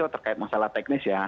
karena itu terkait masalah teknis ya